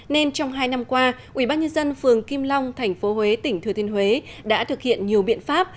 nên trong hai năm qua ubnd phường kim long tp huế tỉnh thừa thiên huế đã thực hiện nhiều biện pháp